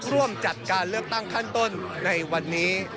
ร่วมจัดการเลือกตั้งขั้นต้นในวันนี้